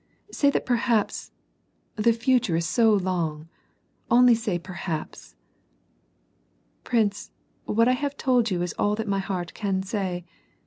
Say that perhaps — the future is so long. Only say ' perhaps.' "* "Prince, what I have told you is all that my heart can say.